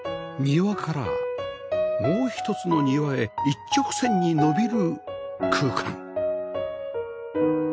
庭からもう一つの庭へ一直線に伸びる空間